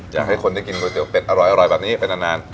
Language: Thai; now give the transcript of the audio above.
อยากให้คนได้กินก๋วยเตี๋ยวเป็ดอรอยี้เป็นนาน